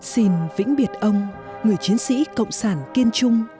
xin vĩnh biệt ông người chiến sĩ cộng sản kiên trung